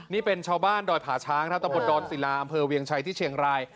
นี่เป็นชาวบ้านดอยผาช้างครับตะบนดอนศิลาอำเภอเวียงชัยที่เชียงราย